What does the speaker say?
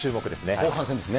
後半戦ですね。